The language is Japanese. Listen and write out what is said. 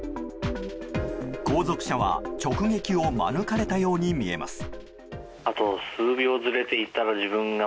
後続車は直撃をまぬかれたように見えます。